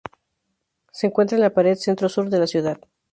Se encuentra en la parte centro-sur de la ciudad.